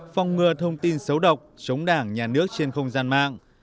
phong ngừa thông tin xấu độc chống đảng nhà nước trên không gian mạng